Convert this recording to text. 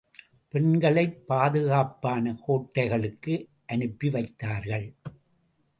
பெண்களைப் பாதுகாப்பான கோட்டைகளுக்கு அனுப்பி வைத்தார்கள்.